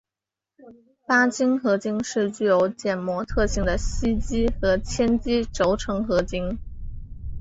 巴氏合金是具有减摩特性的锡基和铅基轴承合金。